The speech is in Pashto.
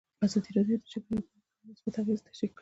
ازادي راډیو د د جګړې راپورونه په اړه مثبت اغېزې تشریح کړي.